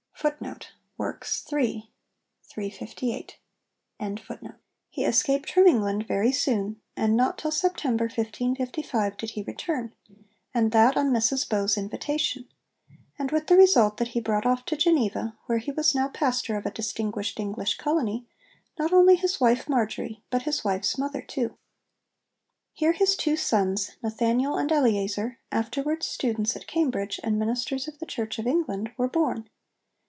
' He escaped from England very soon, and not till September 1555 did he return, and that on Mrs Bowes' invitation; and with the result that he brought off to Geneva, where he was now pastor of a distinguished English colony, not only his wife Marjory, but his wife's mother too. Here his two sons, Nathaniel and Eleazar, afterwards students at Cambridge and ministers of the Church of England, were born.